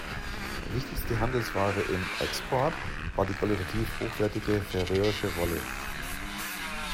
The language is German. Wichtigste Handelsware im "Export" war die qualitativ hochwertige färöische Wolle.